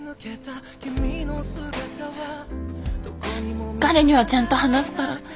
彼にはちゃんと話すから。